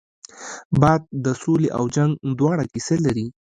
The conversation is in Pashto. باد د سولې او جنګ دواړو کیسه لري